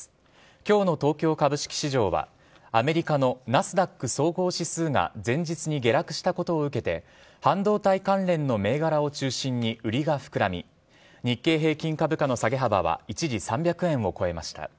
きょうの東京株式市場は、アメリカのナスダック総合指数が前日に下落したことを受けて、半導体関連の銘柄を中心に売りが膨らみ、日経平均株価の下げ幅は一時３００円を超えました。